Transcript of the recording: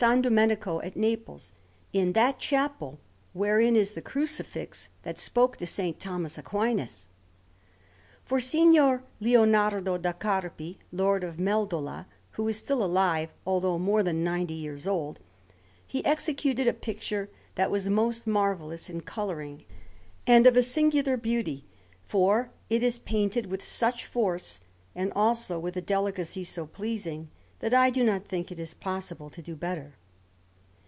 Domenico at Naples, in that chapel wherein is the Crucifix that spoke to S. Thomas Aquinas. For Signor Leonello da Carpi, Lord of Meldola, who is still alive, although more than ninety years old, he executed a picture that was most marvellous in colouring, and of a singular beauty, for it is painted with such force, and also with a delicacy so pleasing, that I do not think it is possible to do better.